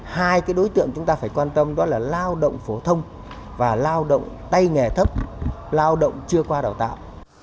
hai đối tượng chúng ta phải quan tâm đó là lao động phổ thông và lao động tay nghề thấp lao động chưa qua đào tạo